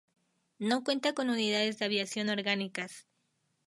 No cuenta con unidades de aviación orgánicas.